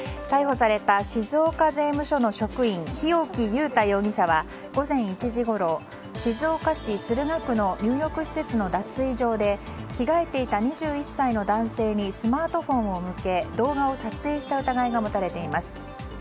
逮捕された静岡税務署の職員日置勇汰容疑者は午前１時ごろ静岡市駿河区の入浴施設の脱衣場で着替えていた２１歳の男性にスマートフォンを向け動画を撮影した疑いが持たれています。